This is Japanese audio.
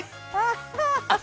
ハハハハ！